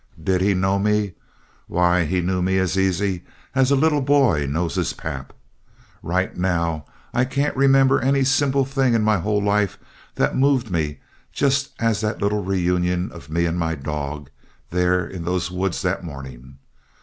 Did he know me? Why, he knew me as easy as the little boy knew his pap. Right now, I can't remember any simple thing in my whole life that moved me just as that little reunion of me and my dog, there in those woods that morning.